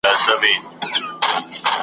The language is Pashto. قېمتي نوي جامې یې وې په ځان کي .